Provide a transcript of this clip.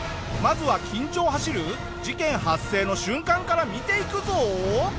まずは緊張走る事件発生の瞬間から見ていくぞ！